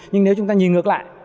nhưng nếu chúng ta nhìn ngược lại